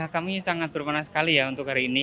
kami sangat berpena sekali untuk hari ini